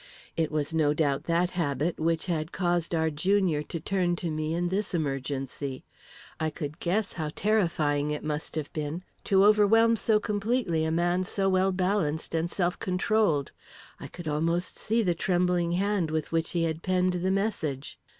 It was no doubt that habit which had caused our junior to turn to me in this emergency. I could guess how terrifying it must have been to overwhelm so completely a man so well balanced and self controlled I could almost see the trembling hand with which he had penned the message.